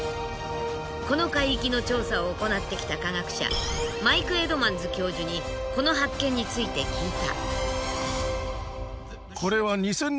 この海域の調査を行ってきた科学者マイク・エドマンズ教授にこの発見について聞いた。